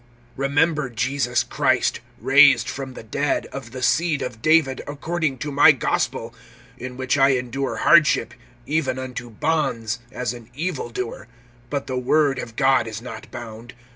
(8)Remember Jesus Christ, raised from the dead, of the seed of David, according to my gospel; (9)in which I endure hardship, even unto bonds, as an evil doer; but the word of God is not bound.